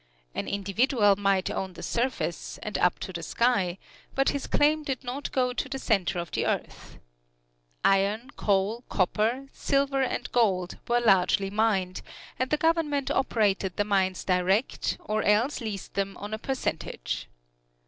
An individual might own the surface, and up to the sky, but his claim did not go to the center of the earth. Iron, coal, copper, silver and gold were largely mined, and the Government operated the mines direct, or else leased them on a percentage.